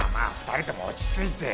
２人とも落ち着いて。